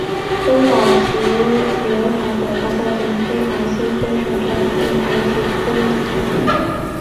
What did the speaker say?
中岛齐浏海短发造型的黑白新宣传照亦同时公开。